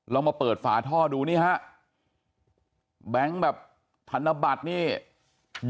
เรามาเปิดฝาท่อดูนี่ฮะแบงค์แบบธนบัตรนี่